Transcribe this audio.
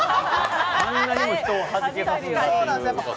あんなにも人をはじけさすんだって。